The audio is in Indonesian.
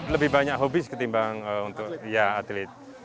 lebih banyak hobis ketimbang atlet